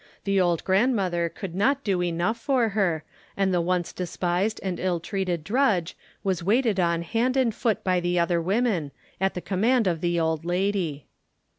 The old grandmother could not do enough for her and the once despised and ill treated drudge was waited on hand and foot by the other women, at the command of the old lady.